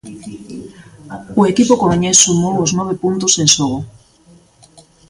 O equipo coruñés sumou os nove puntos en xogo.